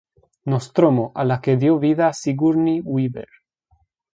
Nostromo" a la que dio vida Sigourney Weaver.